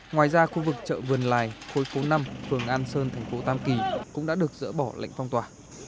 ngoài ra khu vực chợ vườn lài khối phố năm phường an sơn thành phố tam kỳ cũng đã được dỡ bỏ lệnh phong tỏa